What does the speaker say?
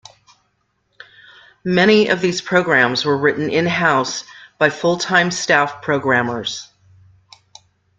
Many of these programs were written in-house by full-time staff programmers.